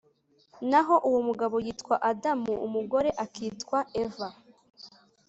naho uwo mugabo yitwa adamu, umugore akitwa eva.